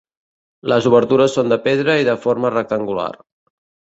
Les obertures són de pedra i de forma rectangular.